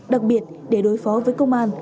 đặc biệt để đối phó với công an